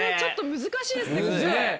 難しいですね今回。